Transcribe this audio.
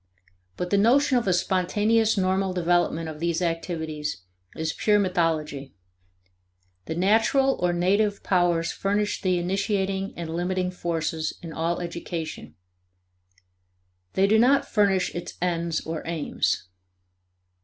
But the notion of a spontaneous normal development of these activities is pure mythology. The natural, or native, powers furnish the initiating and limiting forces in all education; they do not furnish its ends or aims.